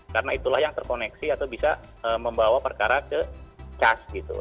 karena itulah yang terkoneksi atau bisa membawa perkara ke cas gitu